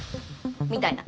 みたいな。